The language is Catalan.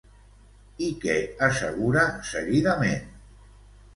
I què assegura seguidament?